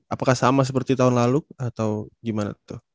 apakah sama seperti tahun lalu atau gimana tuh